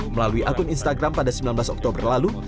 melalui akun instagram pada sembilan belas oktober lalu